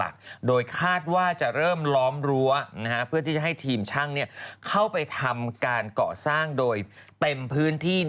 คาดว่าจะเริ่มล้อมรั้วเพื่อที่จะให้ทีมช่างเข้าไปทำการเกาะสร้างโดยเต็มพื้นที่